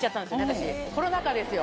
私コロナ禍ですよ。